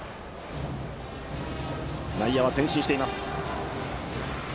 内野は前進しています。